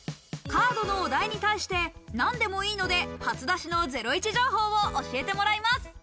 カードのお題に対してなんでもいいので初出しのゼロイチ情報を教えてもらいます。